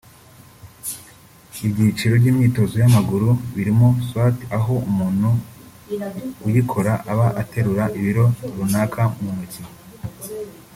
Ibyiciro by’imyitozo y’amaguru birimo Squat aho umuntu uyikora aba ateruye ibiro runaka mu ntoki